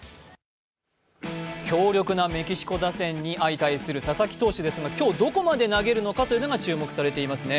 強力なメキシコ打線に相対する佐々木投手ですが今日どこまで投げるのかというのが注目されていますね。